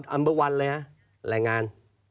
อัมเบอร์วันเลยครับแรงงาน